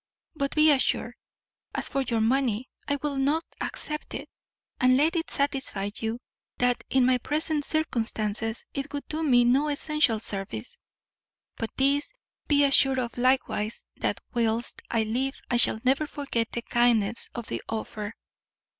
But, be assured, as for your money, I will not accept it; and let it satisfy you, that in my present circumstances it would do me no essential service; but this be assured of likewise, that whilst I live I shall never forget the kindness of the offer.